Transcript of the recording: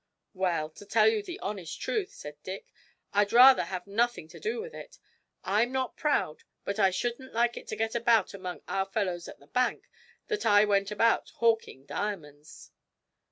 'Well, to tell you the honest truth,' said Dick, 'I'd rather have nothing to do with it. I'm not proud, but I shouldn't like it to get about among our fellows at the bank that I went about hawking diamonds.'